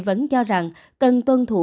vẫn cho rằng cần tuân thủ